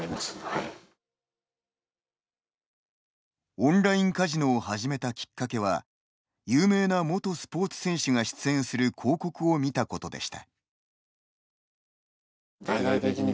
オンラインカジノを始めたきっかけは有名な元スポーツ選手が出演する広告を見たことでした。